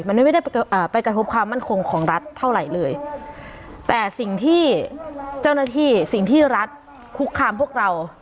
มันไม่ได้ไปกระทบความมั่นคงของรัฐเท่าไหร่เลยแต่สิ่งที่เจ้าหน้าที่สิ่งที่รัฐคุกคามพวกเรา